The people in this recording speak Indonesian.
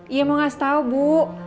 iya mau ngasih tahu bu